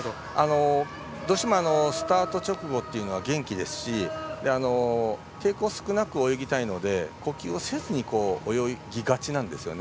どうしてもスタート直後は元気ですし、抵抗少なく泳ぎたいので呼吸をせずに泳ぎがちなんですね。